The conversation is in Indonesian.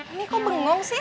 umi kok bengong sih